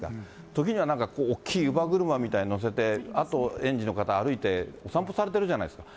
ときにはなんか大きい乳母車みたいなの乗せて、あと園児の方、歩いてお散歩されてるじゃないですか。